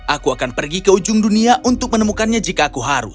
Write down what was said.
aku akan pergi ke ujung dunia untuk menemukannya jika aku harus